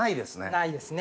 ないですね。